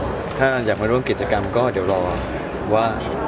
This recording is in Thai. หรืออยากมาร่วมเกียรติกรรมก็เดี๋ยวรอว่า